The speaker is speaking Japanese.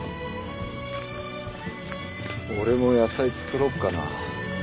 俺も野菜作ろっかな。